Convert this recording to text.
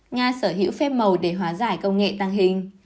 nga sở hữu phép màu để hóa giải công nghệ tàng hình